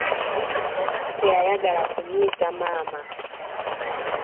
Teyayagala kunnyiza maama.